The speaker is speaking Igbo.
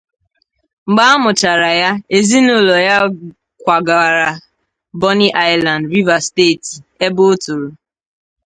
Mgbe amụchara ya, ezinulo ya kwagara Bonny Island, Rivers Steeti ebe o toro.